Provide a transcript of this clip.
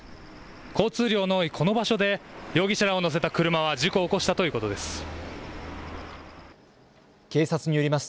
交通量の多いこの場所で容疑者らを乗せた車は事故を起こしたということです。